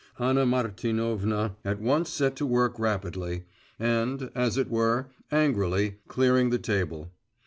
Anna Martinovna at once set to work rapidly, and, as it were, angrily, clearing the table.